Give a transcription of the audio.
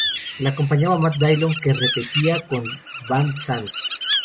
La acompañaba Matt Dillon, que repetía con Van Sant.